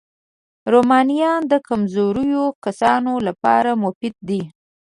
رومیان د کمزوریو کسانو لپاره مفید دي